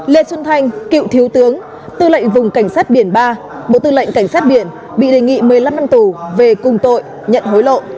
lê xuân thanh cựu thiếu tướng tư lệnh vùng cảnh sát biển ba bộ tư lệnh cảnh sát biển bị đề nghị một mươi năm năm tù về cùng tội nhận hối lộ